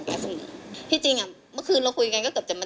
อาจจะกลับมา